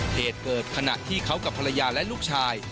เหตุเกิดขณะที่เขากับภรรยาและลูกชาย